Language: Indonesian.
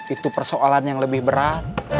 itu persoalan yang lebih berat